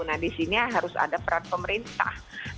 nah di sini harus ada peran pemerintah